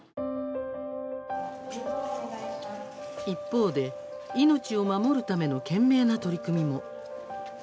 一方で、命を守るための懸命な取り組みも。